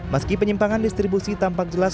meski penyimpangan distribusi tampak jelas